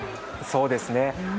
そうですね。